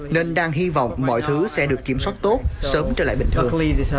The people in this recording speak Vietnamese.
nên đang hy vọng mọi thứ sẽ được kiểm soát tốt sớm trở lại bình thường